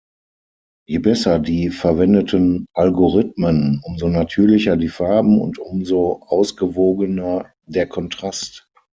Je besser die verwendeten Algorithmen, umso natürlicher die Farben und umso ausgewogener der Kontrast.